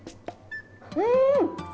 うん！